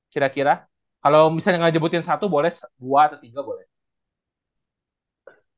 kira kira kalau misalnya ngejebutin satu boleh dua atau tiga boleh